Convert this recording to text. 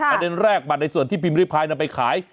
ประเด็นแรกบัตรในส่วนที่พิมพิริพายนำไปขาย